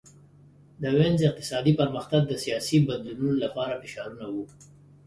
د وینز اقتصادي پرمختګ د سیاسي بدلونونو لپاره فشارونه وو